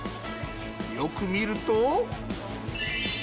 よく見ると。